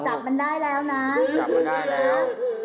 จับมันได้แล้วนะจับมันได้นะ